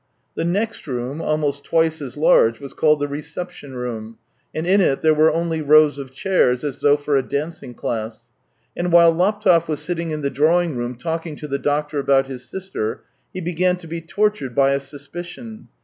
The next room, almost twice as large, was called the reception room, and in it there were only rows of chairs, as though for a dancing class. And while Laptev was sitting in the drawing room talking to the doctor about his sister, he began to be tortured by a suspicion.